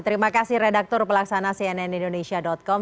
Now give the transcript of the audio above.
terima kasih redaktur pelaksana cnn indonesia com